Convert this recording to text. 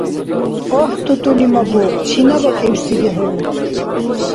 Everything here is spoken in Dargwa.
– Агь, хӀу тӀутӀули мабукь! Чина бикибсири хӀу?